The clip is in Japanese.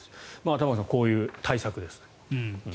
玉川さん、こういう対策ですね。